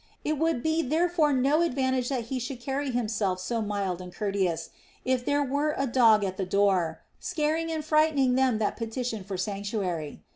It would be therefore no advantage that he should carry himself so mild and courteous, if there were a dog at the door, scaring and frighting them that peti tioned for sanctuary.